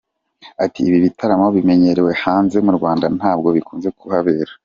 Ati “Ibi bitaramo bimenyerewe hanze, mu Rwanda ntabwo bikunze kuhabera.